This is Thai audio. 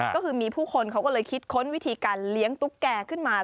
ก็คือมีผู้คนเขาก็เลยคิดค้นวิธีการเลี้ยงตุ๊กแก่ขึ้นมา